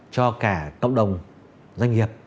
cho cả cộng đồng doanh nghiệp